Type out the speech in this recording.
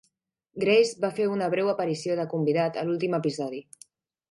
Grace va fer una breu aparició de convidat a l'últim episodi.